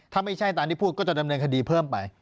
ถ้าไม่ใช่ตามที่พูดก็จะดำเนินคดีเพิ่มไป